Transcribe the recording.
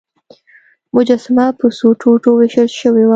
مجسمه په څو ټوټو ویشل شوې وه.